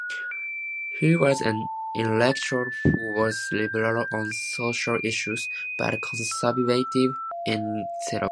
He was an intellectual who was liberal on social issues, but conservative in theology.